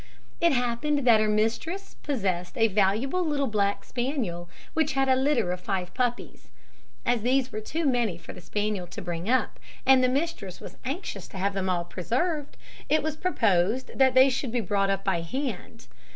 It happened that her mistress possessed a valuable little black spaniel, which had a litter of five puppies. As these were too many for the spaniel to bring up, and the mistress was anxious to have them all preserved, it was proposed that they should be brought up by hand.